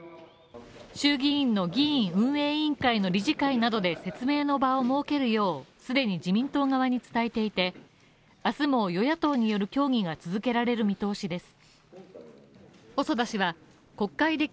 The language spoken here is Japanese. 衆議院の議院運営委員会の理事会などで説明の場を設けるよう、既に自民党側に伝えていて、明日も与野党による協議が続けられる見通しです。